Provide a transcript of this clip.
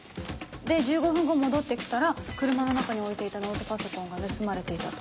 で１５分後戻って来たら車の中に置いていたノートパソコンが盗まれていたと。